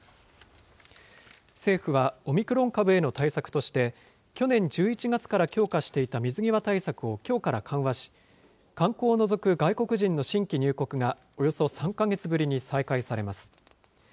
政府はオミクロン株への対策として、去年１１月から強化していた水際対策をきょうから緩和し、観光を除く外国人の新規入国が、およそ３か月ぶりに再開されます。